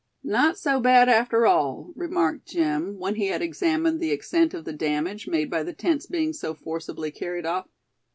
"Not so bad after all," remarked Jim, when he had examined the extent of the damage made by the tent's being so forcibly carried off.